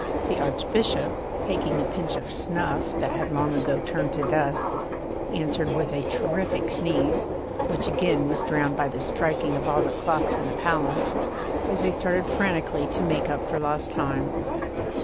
The Archbishop, taking a pinch of snuff that had long ago turned to dust, answered with a terrific sneeze, which again was drowned by the striking of all the clocks in the palace, as they started frantically to make up for lost time.